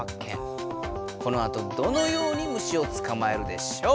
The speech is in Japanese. このあとどのように虫をつかまえるでしょう？